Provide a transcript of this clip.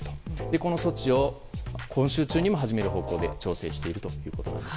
この措置を今週中にも始める方向で調整しているということです。